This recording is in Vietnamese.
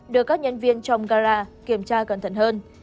được các nhân viên trong gara kiểm tra cẩn thận hơn